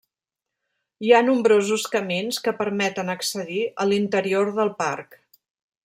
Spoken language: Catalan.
Hi ha nombrosos camins que permeten accedir a l'interior del parc.